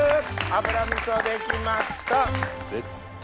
あぶらみそできました。